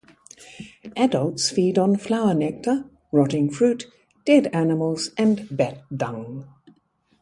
Adults feed on flower nectar, rotting fruit, dead animals, and bat dung.